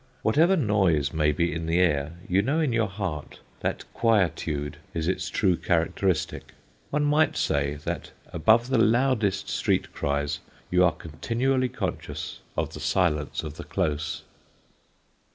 Whatever noise may be in the air you know in your heart that quietude is its true characteristic. One might say that above the loudest street cries you are continually conscious of the silence of the close.